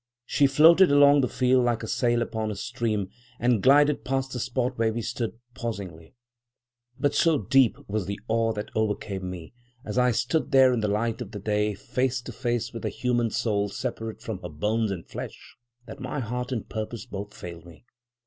She floated along the field like a sail upon a stream, and glided past the spot where we stood, pausingly. But so deep was the awe that overcame me, as I stood there in the light of day, face to face with a human soul separate from her bones and flesh, that my heart and purpose both failed me.